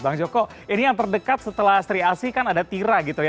bang joko ini yang terdekat setelah sri asih kan ada tira gitu ya